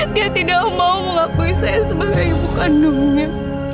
dia tidak mau mengakui saya sebagai ibu kandungnya